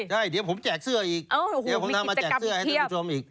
ใช่เดี๋ยวผมแจกเสื้ออีกเดี๋ยวผมทำมาแจกเสื้อให้ท่านผู้ชมอีก